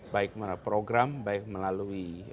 baik melalui program baik melalui